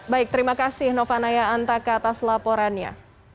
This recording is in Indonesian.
baik terima kasih novanaya antaka atas laporannya